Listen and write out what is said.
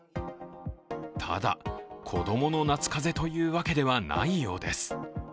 ただ、子供の夏かぜというわけではないようです。